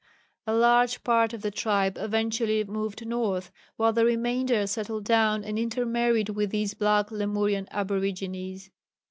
A large part of the tribe eventually moved north, while the remainder settled down and intermarried with these black Lemurian aborigines.